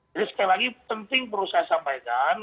jadi sekali lagi penting perlu saya sampaikan